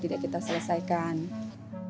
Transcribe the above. efektivitas terapi ini memang sangat tinggi